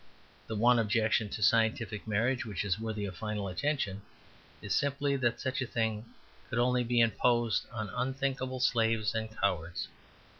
The one objection to scientific marriage which is worthy of final attention is simply that such a thing could only be imposed on unthinkable slaves and cowards.